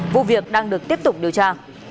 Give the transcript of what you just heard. vụ việc đang được tiếp tục điều tra